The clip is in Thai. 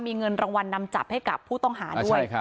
มีเงินรางวัลนำจับให้กับผู้ต้องหาด้วย